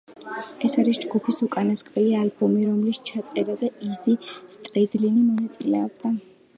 ეს არის ჯგუფის უკანასკნელი ალბომი, რომლის ჩაწერაში იზი სტრედლინი მონაწილეობდა.